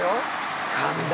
つかんだ！